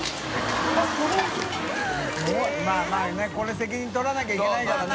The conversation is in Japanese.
泙，泙，これ責任取らなきゃいけないからね。